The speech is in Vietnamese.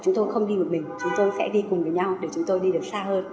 chúng tôi không đi một mình chúng tôi sẽ đi cùng với nhau để chúng tôi đi được xa hơn